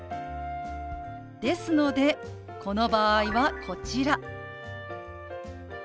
ですのでこの場合はこちら。